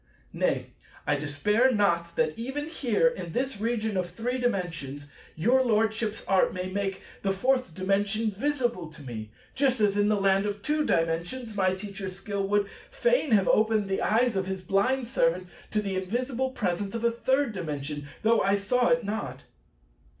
Nay, I despair not that, even here, in this region of Three Dimensions, your Lordship's art may make the Fourth Dimension visible to me; just as in the Land of Two Dimensions my Teacher's skill would fain have opened the eyes of his blind servant to the invisible presence of a Third Dimension, though I saw it not.